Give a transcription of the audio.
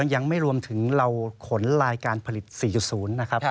ยังไม่รวมถึงเราขนลายการผลิต๔๐นะครับ